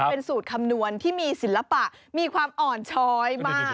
เป็นสูตรคำนวณที่มีศิลปะมีความอ่อนช้อยมาก